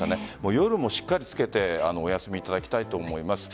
夜もしっかりつけてお休みいただきたいと思います。